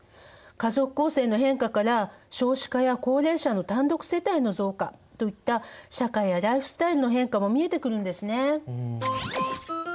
家族構成の変化から少子化や高齢者の単独世帯の増加といった社会やライフスタイルの変化も見えてくるんですね。